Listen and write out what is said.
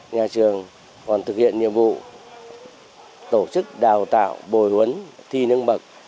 nhà trường còn thực hiện nhiệm vụ tổ chức đào tạo bồi huấn thi nâng bậc